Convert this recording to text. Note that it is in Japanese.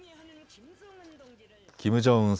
キム・ジョンウン